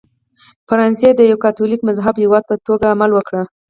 فرانسې د یوه کاتولیک مذهبه هېواد په توګه عمل وکړ.